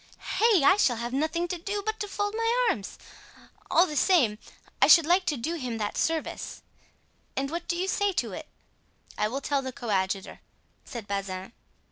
Hey! I shall have nothing to do but to fold my arms! All the same, I should like to do him that service—what do you say to it?" "I will tell the coadjutor," said Bazin.